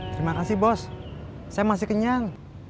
terima kasih bos saya masih kenyang